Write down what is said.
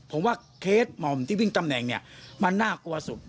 ผมว่าเคสหม่อมที่วิ่งตำแหน่งเนี่ยมันน่ากลัวสุด